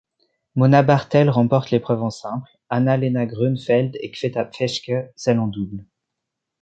Mona Barthel remporte l'épreuve en simple, Anna-Lena Grönefeld et Květa Peschke celle en double.